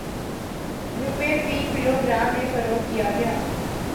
روپے فی kilogram میں فروخت کیا گیا